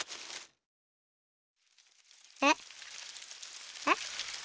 えっ？えっ？